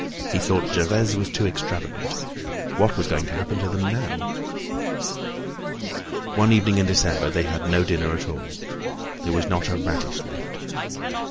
He thought Gervaise was too extravagant. What was going to happen to them now? One evening in December they had no dinner at all. There was not a radish left.